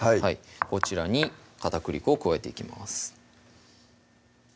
こちらに片栗粉を加えていきます